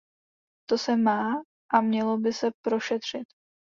To se má a mělo by se prošetřit.